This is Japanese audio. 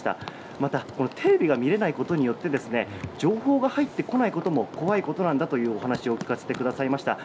また、テレビが見れないことによって情報が入ってこないことも怖いことなんだというお話を聞かせてくださいました。